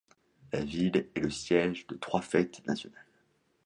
La ville est le siège de trois fêtes nationales.